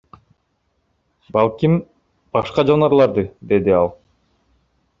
Балким, башка жаныбарларды, — деди ал.